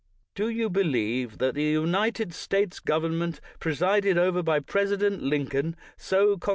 Do jou believe that the United States government, presided over by President Lincoln, so con.